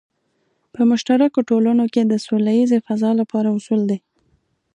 په مشترکو ټولنو کې د سوله ییزې فضا لپاره اصول دی.